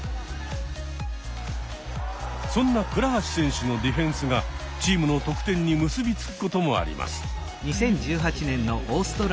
そんな倉橋選手のディフェンスがチームの得点に結び付くこともあります。